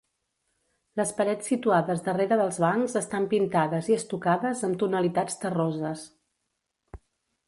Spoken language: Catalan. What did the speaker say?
Les parets situades darrere dels bancs estan pintades i estocades amb tonalitats terroses.